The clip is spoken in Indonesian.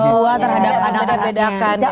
oh gitu ya